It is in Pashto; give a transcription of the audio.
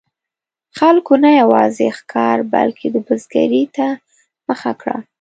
خلکو نه یوازې ښکار، بلکې د بزګرۍ ته مخه کړه.